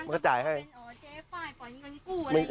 อื้อฮือก็จ่ายให้เขาจ่ายหมด